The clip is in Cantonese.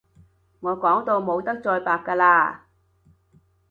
我講到冇得再白㗎喇